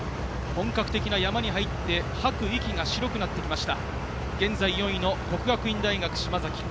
本格的な山に入って吐く息が白くなってきました。